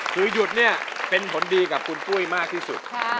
คือหยุดเนี่ยเป็นผลดีกับคุณปุ้ยมากที่สุด